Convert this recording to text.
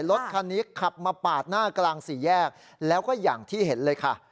รถคันนี้ขับมาปาดหน้ากลางสี่แยกแล้วก็อย่างที่เห็นเลยค่ะ